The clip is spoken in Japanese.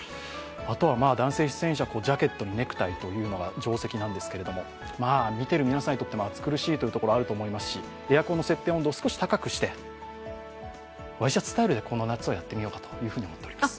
あとは男性出演者、ジャケットにネクタイが定石なんですけど、見てる皆さんにとっては暑苦しいというところもありますしエアコンの設定温度を少し高くしてワイシャツスタイルでこの夏はやってみようかと思っております。